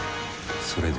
それで？